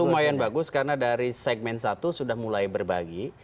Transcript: lumayan bagus karena dari segmen satu sudah mulai berbagi